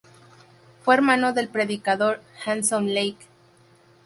Fue hermano del predicador Handsome Lake.